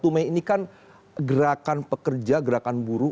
satu mei ini kan gerakan pekerja gerakan buruh